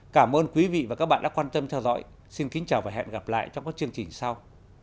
cảm ơn quý vị và các bạn đã quan tâm theo dõi xin kính chào và hẹn gặp lại trong các chương trình sau